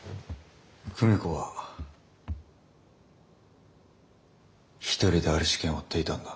久美子は一人である事件を追っていたんだ。